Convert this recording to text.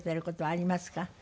あります。